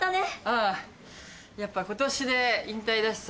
ああやっぱ今年で引退だしさ。